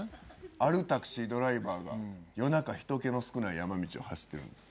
あるタクシードライバーが夜中人けの少ない山道を走ってるんです。